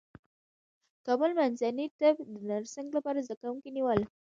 کابل منځني طب د نرسنګ لپاره زدکوونکي نیول